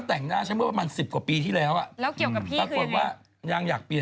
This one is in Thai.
เธอรู้ไหมว่าอั้มกับกึ้งรู้จักกันได้ไง